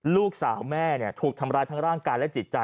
ลูกสาวแม่ถูกทำร้ายทั้งร่างกายและจิตใจ